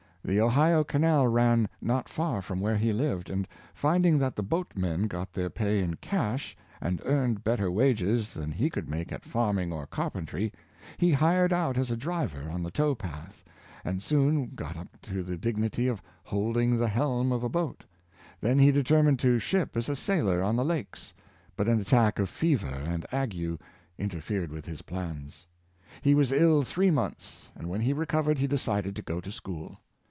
The Ohio canal ran not far from where he lived, and, finding that the boatmen got their pay in cash and earned better wages than he could make at farming or carpentry, he hired out as a driver on the yames A, Garfield, 173 towpath, and soon got up to the dignity of holding the helm of a boat. Then he determined to ship as a sail or on the lakes, but an attack of fever and ague inter fered with his plans. He was ill three months, and when he recovered he decided to go to school.